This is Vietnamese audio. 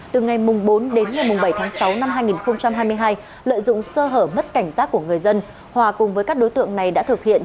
từ ngày bốn đến ngày bảy tháng sáu năm hai nghìn hai mươi hai lợi dụng sơ hở mất cảnh giác của người dân hòa cùng với các đối tượng này đã thực hiện